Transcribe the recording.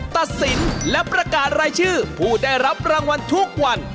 ตัดสินและประกาศรายชื่อผู้ได้รับรางวัลทุกวัน